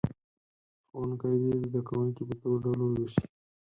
ښوونکي دې زه کوونکي په دوو ډلو ووېشي.